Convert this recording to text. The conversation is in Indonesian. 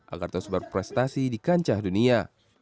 agar terus berprestasi di kancah dunia